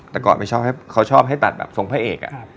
แต่ก่อนไม่ชอบให้เขาชอบให้ตัดแบบทรงพระเอก